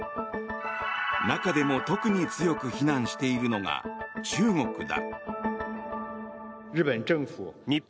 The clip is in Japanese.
中でも特に強く非難しているのが中国だ。